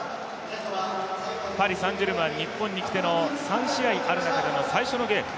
パリ・サン＝ジェルマン、日本に来ての３試合ある中での最初のゲーム。